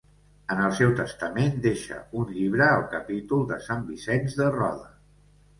En el seu testament deixa un llibre al capítol de Sant Vicenç de Roda.